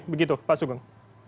begitu pak sugeng